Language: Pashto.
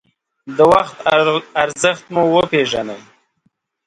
د وخت ارزښت مو وپېژنئ.